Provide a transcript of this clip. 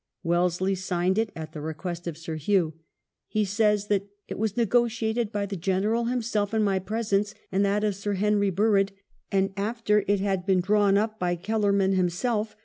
Wellesley signed it at the request of Sir Hew. He says that "it was negotiated by the General himself in my presence and that of Sir Harry Burrard, and, after it had been drawn up by Kellerman himself.